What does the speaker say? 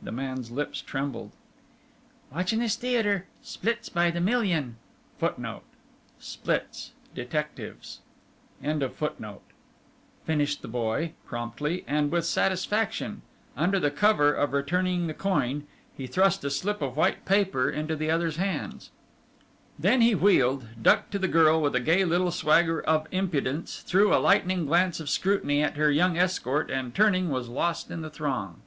The man's lips trembled. "Watchin' this theatre splits by the million," finished the boy promptly, and with satisfaction. Under cover of returning the coin, he thrust a slip of white paper into the other's hand. [Footnote 1: Splits: detectives.] Then he wheeled, ducked to the girl with a gay little swagger of impudence, threw a lightning glance of scrutiny at her young escort, and turning, was lost in the throng.